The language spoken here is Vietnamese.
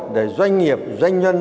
để doanh nghiệp doanh nhân